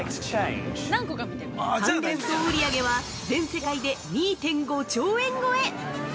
関連総売り上げは、全世界で２．５兆円超え！